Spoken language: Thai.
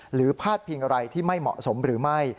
พาดพิงอะไรที่ไม่เหมาะสมหรือไม่